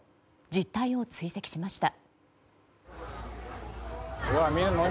実態を追跡しました。